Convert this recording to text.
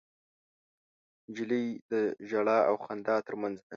نجلۍ د ژړا او خندا تر منځ ده.